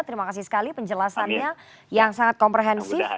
terima kasih sekali penjelasannya yang sangat komprehensif